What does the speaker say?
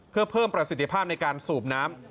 เพื่อเพิ่มประสิทธิภาพในการสูบน้ำ